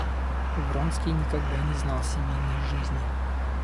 Вронский никогда не знал семейной жизни.